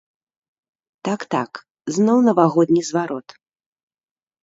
Так-так, зноў навагодні зварот.